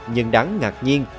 nhưng đáng ngạc nhiên